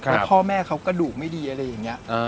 แล้วพ่อแม่เขากระดูกไม่ดีอะไรอย่างนี้